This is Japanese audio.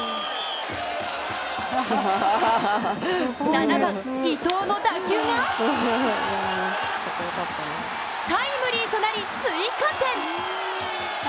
７番・伊藤の打球がタイムリーとなり、追加点。